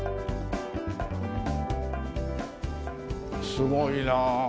すごいなあ。